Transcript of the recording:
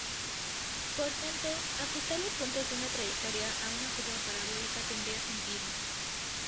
Por tanto, ajustar los puntos de una trayectoria a una curva parabólica tendría sentido.